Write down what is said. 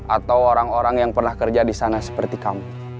atau orang orang yang pernah kerja di sana seperti kamu